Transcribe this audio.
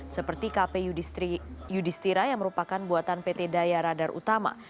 seperti kp yudhistira yang merupakan buatan pt daya radar utama